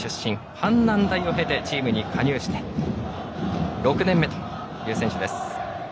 阪南大を経てチームに加入して６年目という選手です。